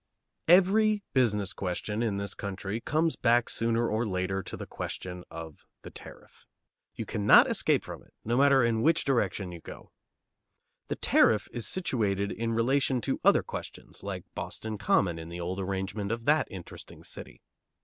Every business question, in this country, comes back, sooner or later, to the question of the tariff. You cannot escape from it, no matter in which direction you go. The tariff is situated in relation to other questions like Boston Common in the old arrangement of that interesting city.